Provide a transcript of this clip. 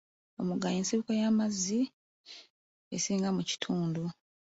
Omugga y'ensibuko y'amazzi esinga mu kitundu.